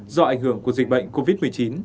do ảnh hưởng của dịch bệnh covid một mươi chín